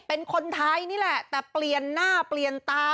เป็นคนไทยนี่แหละแต่เปลี่ยนหน้าเปลี่ยนตา